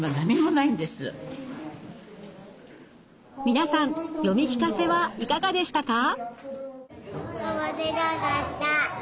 皆さん読み聞かせはいかがでしたか？